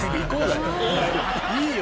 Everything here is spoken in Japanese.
いいよ！